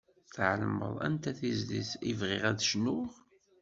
Tεelmeḍ anta tizlit i bɣiɣ ad d-cnuɣ.